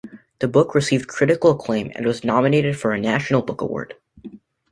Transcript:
The book received critical acclaim and was nominated for a National Book Award.